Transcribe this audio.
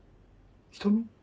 瞳？